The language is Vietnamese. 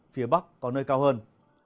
phía bắc có nơi cao hơn